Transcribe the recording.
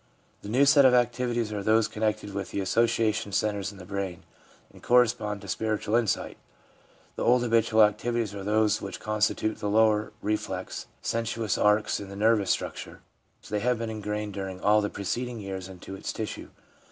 The new set of activities are those connected with the association centres in the brain, and correspond to spiritual insight. The old habitual activities are those which constitute the lower, reflex, sensuous arcs in the nervous structure ; they have been ingrained during all the preceding years into its tissue.